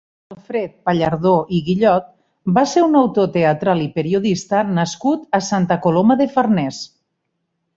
Alfred Pallardó i Guillot va ser un autor teatral i periodista nascut a Santa Coloma de Farners.